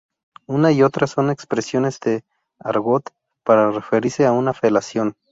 Una y otra, son expresiones de "argot" para referirse a una felación.